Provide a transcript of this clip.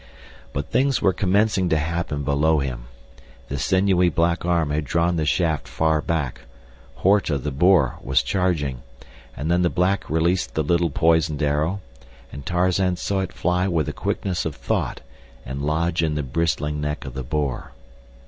But things were commencing to happen below him. The sinewy black arm had drawn the shaft far back; Horta, the boar, was charging, and then the black released the little poisoned arrow, and Tarzan saw it fly with the quickness of thought and lodge in the bristling neck of the boar.